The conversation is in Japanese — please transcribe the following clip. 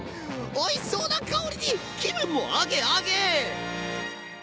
おいしそうな香りに気分もアゲアゲ！